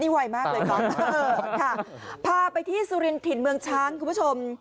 นี่ไวมากเลยพาที่สุรินทรินเมืองช้างคุณผู้ชม